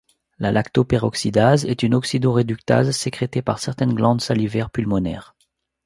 La lactoperoxydase est une oxydoréductase sécrétée par certaines glandes salivaires, pulmonaires.